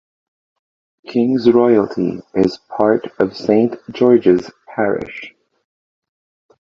Kings Royalty is part of Saint George's Parish.